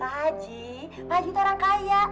pak haji pak haji itu orang kaya